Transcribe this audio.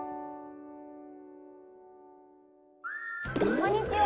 こんにちは！